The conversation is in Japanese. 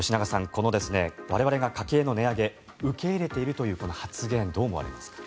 この我々が家計の値上げ受け入れているという発言どう思われますか？